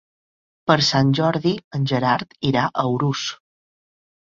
Per Sant Jordi en Gerard irà a Urús.